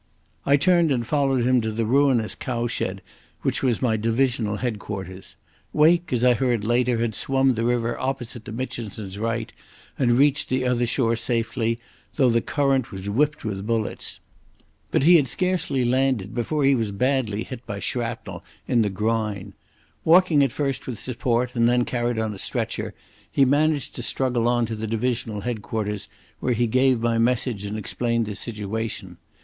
I turned and followed him to the ruinous cowshed which was my divisional headquarters. Wake, as I heard later, had swum the river opposite to Mitchinson's right, and reached the other shore safely, though the current was whipped with bullets. But he had scarcely landed before he was badly hit by shrapnel in the groin. Walking at first with support and then carried on a stretcher, he managed to struggle on to the divisional headquarters, where he gave my message and explained the situation.